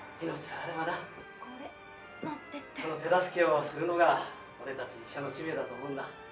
その手助けをするのが俺たち医者の使命だと思うんだ。